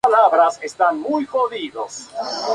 Concursantes descalificados